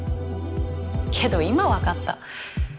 けど今わかった。